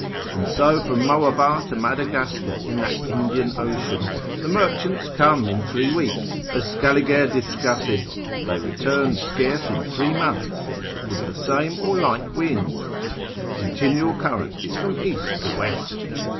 and so from Moabar to Madagascar in that Indian Ocean, the merchants come in three weeks, as Scaliger discusseth, they return scarce in three months, with the same or like winds: the continual current is from east to west.